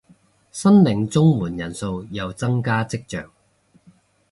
申領綜援人數有增加跡象